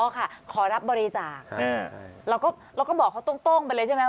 ค่ะขอรับบริจาคเราก็บอกเขาตรงไปเลยใช่ไหม